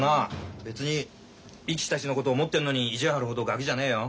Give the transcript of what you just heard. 別に力士たちのことを思ってんのに意地張るほどガキじゃねえよ。